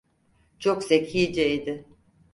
Çok zekiceydi.